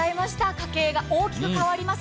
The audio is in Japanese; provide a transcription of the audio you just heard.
家計が大きく変わります。